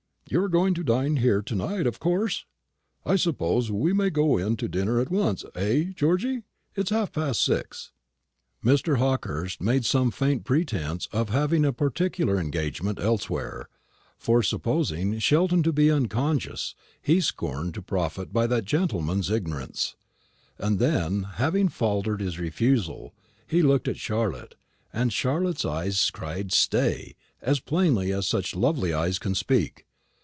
You're going to dine here to night, of course? I suppose we may go in to dinner at once, eh, Georgy? it's half past six." Mr. Hawkehurst made some faint pretence of having a particular engagement elsewhere; for, supposing Sheldon to be unconscious, he scorned to profit by that gentleman's ignorance. And then, having faltered his refusal, he looked at Charlotte, and Charlotte's eyes cried "Stay," as plainly as such lovely eyes can speak.